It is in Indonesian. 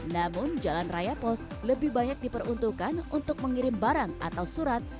namun jalan raya pos lebih banyak diperuntukkan untuk mengirim barang atau surat